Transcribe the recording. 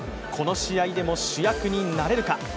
この試合でも主役になれるか？